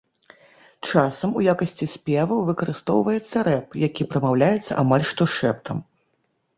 Часам у якасці спеваў выкарыстоўваецца рэп, які прамаўляецца амаль што шэптам.